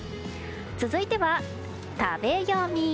続いては、食べヨミ！